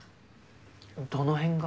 どの辺が？